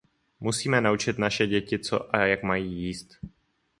Musíme naučit naše děti, co a jak mají jíst.